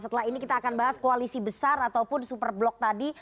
setelah ini kita akan bahas koalisi besar ataupun super blok tadi